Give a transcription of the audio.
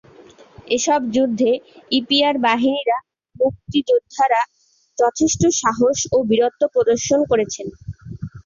এসব যুদ্ধে ইপিআর বাহিনীর মুক্তিযোদ্ধারা যথেষ্ট সাহস ও বীরত্ব প্রদর্শন করেন।